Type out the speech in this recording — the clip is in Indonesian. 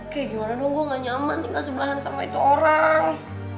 kayak gimana dong gue gak nyaman tinggal sebelahan sama itu orang